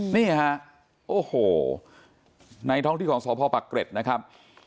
นี่ฮะโอ้โหในท้องที่ของสพปักเกร็ดนะครับ